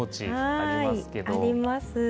あります。